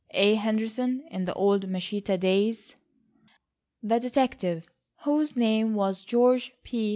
Eh, Henderson, in the old Machita days?" The detective, whose name was George P.